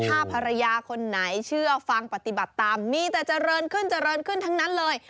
ถ้าภรรยาคนไหนเชื่อฟังปฏิบัติตามมีแต่เจริญขึ้นเจริญขึ้นทั้งนั้นเลย